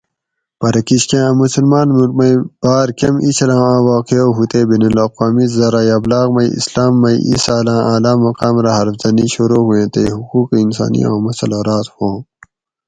پرہ کِشکاۤں اۤ مسلماۤن مُلک مئ باۤر کۤم ایچھلاں اۤ واقعہ ہُو تے بین الاقوامی زرایٔع ابلاغ مئ اسلاۤم مئ ایسالاۤں اعلٰی مقام رہ حرف زنی شروع ہویٔیں تے حقوق انسانی آں مسلۂ راۤت ہواں؟